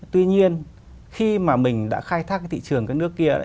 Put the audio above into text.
tuy nhiên khi mà mình đã khai thác cái thị trường các nước kia